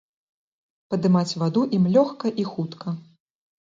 Падымаць ваду ім лёгка і хутка.